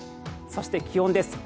そして、気温です。